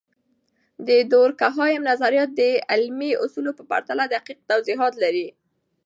د دورکهايم نظریات د علمي اصولو په پرتله دقیق توضیحات لري.